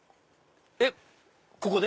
えっここで？